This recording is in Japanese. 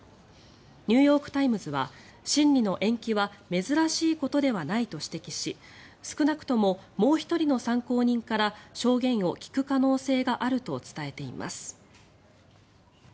ニューヨーク・タイムズは審理の延期は珍しいことではないと指摘し少なくとももう１人の参考人から証言を聞く可能性があると伝えています。